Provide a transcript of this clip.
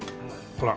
ほら。